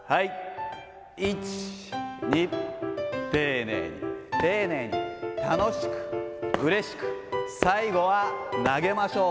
１、２、丁寧に、丁寧に、楽しく、うれしく、最後は投げましょう。